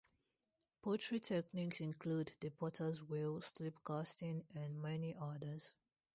Pottery techniques include the potter's wheel, slipcasting, and many others.